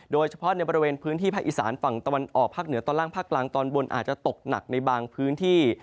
โดยเฉพาะในบริเวณพื้นที่ภาคอีสานฝั่งตะวันออกภาคเหนือตอนล่างภาคกลางตอนบนอาจจะตกหนักในบางพื้นที่